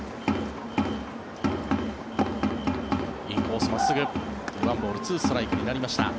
インコース、真っすぐ１ボール２ストライクになりました。